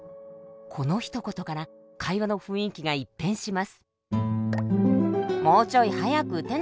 このひと言から会話の雰囲気が一変します。